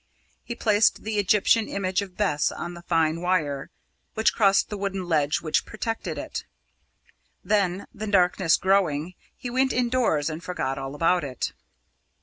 He placed the Egyptian image of Bes on the fine wire, which crossed the wooden ledge which protected it. Then, the darkness growing, he went indoors and forgot all about it.